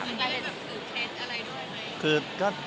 จะได้แบบถือเคล็ดอะไรด้วยไหม